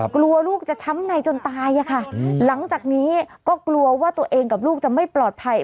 กลัวลูกจะช้ำในจนตายอะค่ะหลังจากนี้ก็กลัวว่าตัวเองกับลูกจะไม่ปลอดภัย